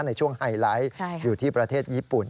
ในช่วงไฮไลท์อยู่ที่ประเทศญี่ปุ่น